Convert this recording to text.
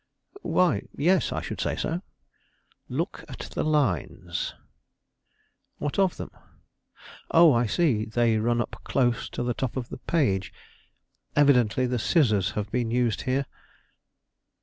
"Why, yes; I should say so." "Look at the lines." "What of them? Oh, I see, they run up close to the top of the page; evidently the scissors have been used here."